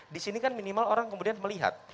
disini kan minimal orang kemudian melihat